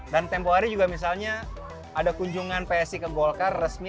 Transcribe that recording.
dan tempoh hari juga misalnya ada kunjungan psi ke golkar resmi